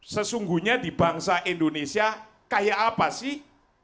sesungguhnya di bangsa indonesia kayak apa sih